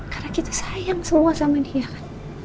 karena kita sayang semua sama dia